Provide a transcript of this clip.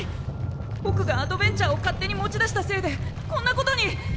ぼくがアドベン茶を勝手に持ち出したせいでこんなことに。